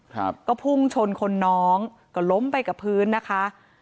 ครับก็พุ่งชนคนน้องก็ล้มไปกับพื้นนะคะ